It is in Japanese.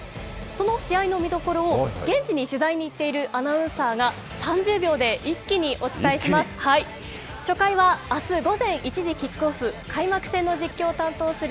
その試合の見どころを現地に取材に行っているアナウンサーが３０秒で一気にお伝えします。